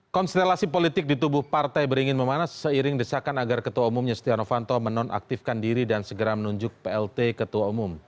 konstelasi politik di tubuh partai beringin memanas seiring desakan agar ketua umumnya stiano fanto menonaktifkan diri dan segera menunjuk plt ketua umum